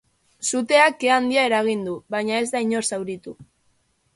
Suteak ke handia eragin du, baina ez da inor zauritu.